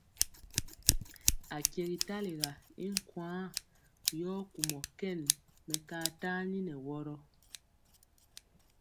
Akyegi talega i nkwaaŋ, yɔ kumɔ kɛn mɛkaa tani nɛ wɔrɔ.